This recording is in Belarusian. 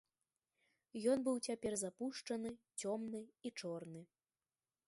Ён быў цяпер запушчаны, цёмны і чорны.